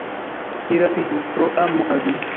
Ni rapidu, pro amo al Dio!